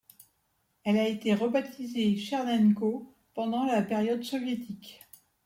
Elle a été rebaptisée Chernenko pendant la période soviétique.